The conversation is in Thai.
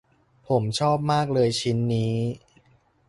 ผมชอบมากเลยชิ้นนี้